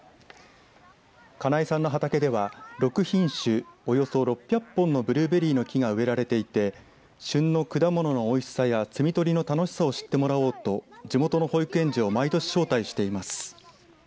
金井さんの畑では６品種およそ６００本のブルーベリーの木が植えられていて旬の果物のおいしさや摘み取りの楽しさを知ってもらおうと地元の保育園児を毎年招待しています。